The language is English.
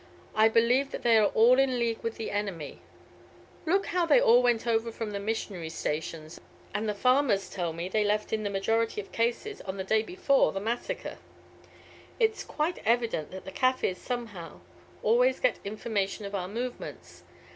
I believe that they are all in league with the enemy. Look how they all went over from the missionary stations, and the farmers tell me they left in the majority of cases on the day before the massacre. It's quite evident that the Kaffirs somehow always get information of our movements.